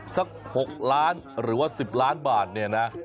สัก๖ล้านหรือว่า๑๐ล้านบาทเนี่ยนะ